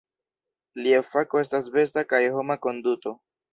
Lia fako estas besta kaj homa konduto.